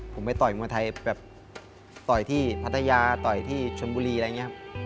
ผมไปต่อยมวยไทยแบบต่อยที่พัทยาต่อยที่ชนบุรีอะไรอย่างนี้ครับ